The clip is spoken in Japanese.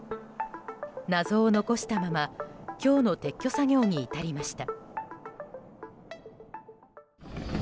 謎を残したまま今日の撤去作業に至りました。